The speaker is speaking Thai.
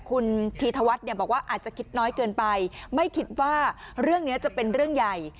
คุณธีธวัฒน์เนี่ยบอกว่าอาจจะคิดน้อยเกินไปไม่คิดว่าเรื่องนี้จะเป็นเรื่องใหญ่